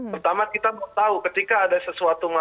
pertama kita mau tahu ketika ada sesuatu masalah